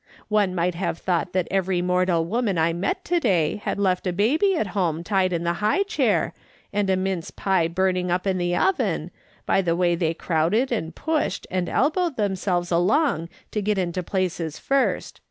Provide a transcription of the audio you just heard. One might have thought that every mortal woman I met to day had left a baby at home tied in the high chair, and a mince pie burning up in the oven, by the way they crowded and pushed and elbowed themselves along to get into places first.